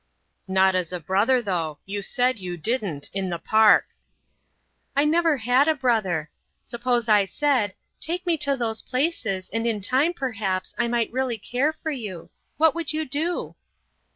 "Not as a brother, though? You said you didn't—in the Park." "I never had a brother. Suppose I said, "Take me to those places, and in time, perhaps, I might really care for you," what would you do?"